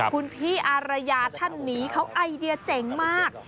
คุณพี่อารยาท่านนี้เขาไอเดียเจ๋งมาก